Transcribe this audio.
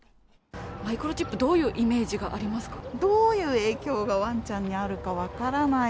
マイクロチップ、どういうイメージがありますか。